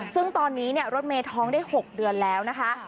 ซึ่งตอนนี้รถเมย์ท้องได้๖เดือนแล้วนะคะ